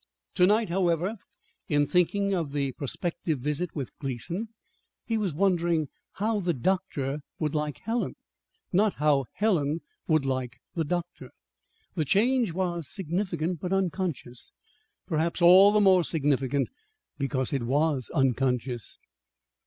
To night, however, in thinking of the prospective visit from Gleason, he was wondering how the doctor would like Helen not how Helen would like the doctor. The change was significant but unconscious perhaps all the more significant because it was unconscious.